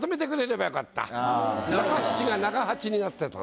中七が中八になってたんですよ。